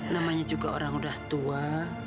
namanya juga orang udah tua